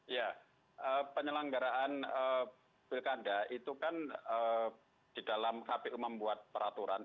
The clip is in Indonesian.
ya penyelenggaraan pilkada itu kan di dalam kpu membuat peraturan